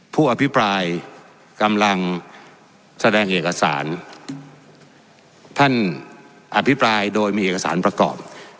ผู้อภิปรายกำลังแสดงเอกสารท่านอภิปรายโดยมีเอกสารประกอบ